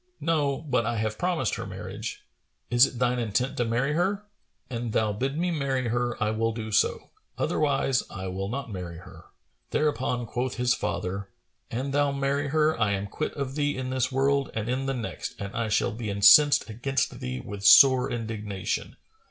"No; but I have promised her marriage." "Is it thine intent to marry her?" "An thou bid me marry her, I will do so; otherwise I will not marry her." Thereupon quoth his father, "An thou marry her, I am quit of thee in this world and in the next, and I shall be incensed against thee with sore indignation.